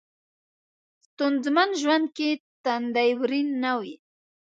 ستونځمن ژوند کې تندی ورین نه وي.